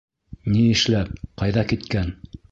— Ни эшләп, ҡайҙа киткән?